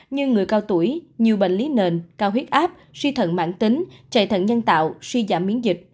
như người cao tuổi nhiều bệnh lý nền cao huyết áp suy thận mạng tính chạy thận nhân tạo suy giảm biến dịch